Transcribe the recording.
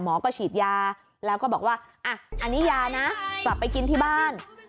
หมอก็ฉีดยาแล้วก็บอกว่าอ่ะอันนี้ยานะกลับไปกินที่บ้าน